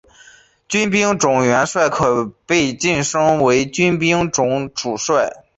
军兵种元帅可被晋升为军兵种主帅。